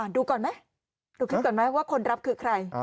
ดูก่อนไหมดูคลิปก่อนไหมว่าคนรับคือใคร